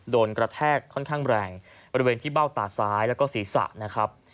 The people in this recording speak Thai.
กระแทกค่อนข้างแรงบริเวณที่เบ้าตาซ้ายแล้วก็ศีรษะนะครับ